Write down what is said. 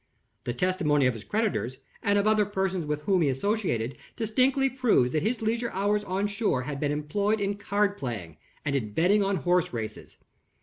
The testimony of his creditors, and of other persons with whom he associated distinctly proves that his leisure hours on shore had been employed in card playing and in betting on horse races.